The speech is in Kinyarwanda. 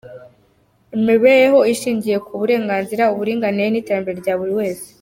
Imibereho ishingiye ku burenganzira, uburinganire n’iterambere rya buri wese.